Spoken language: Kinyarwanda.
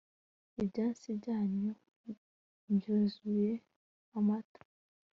ibyansi byanyu mbyuzuze amata